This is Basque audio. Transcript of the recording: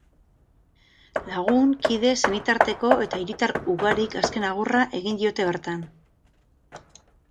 Lagun, kide, senitarteko eta hiritar ugarik azken agurra egin diote bertan.